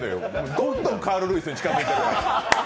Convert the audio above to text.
どんどんカール・ルイスに近づいてるから。